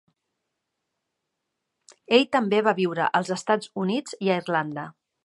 Ell també va viure als Estats Units i a Irlanda.